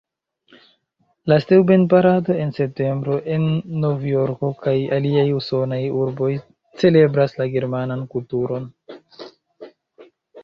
La Steuben-parado en septembro en Novjorko kaj aliaj usonaj urboj celebras la germanan kulturon.